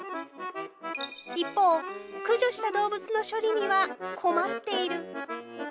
一方、駆除した動物の処理には、困っている。